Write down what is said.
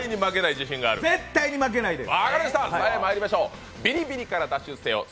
絶対に負けないです。